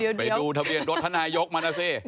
ดีล่วจะเจอทะเวียนรถทนายกมานะน่ะสิ